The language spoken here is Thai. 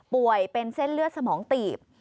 เป็นเส้นเลือดสมองตีบ